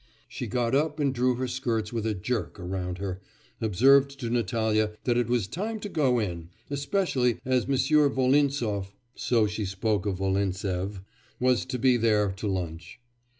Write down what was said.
She got up and drew her skirts with a jerk around her, observed to Natalya that it was time to go in, especially as M. Volinsoff (so she spoke of Volintsev) was to be there to lunch.